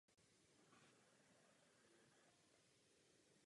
V rámci nadcházejících jednání budeme zdůrazňovat rozvojové otázky.